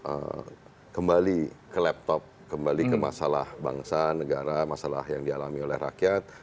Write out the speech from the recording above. kemudian kembali ke laptop kembali ke masalah bangsa negara masalah yang dialami oleh rakyat